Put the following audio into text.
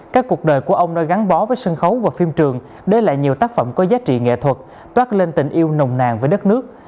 các cuộc đời của ông đã gắn bó với sân khấu và phim trường để lại nhiều tác phẩm có giá trị nghệ thuật toát lên tình yêu nồng nàng với đất nước